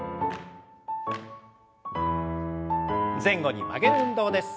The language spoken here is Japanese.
前後に曲げる運動です。